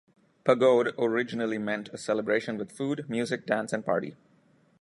Pagode originally meant a celebration with food, music, dance and party.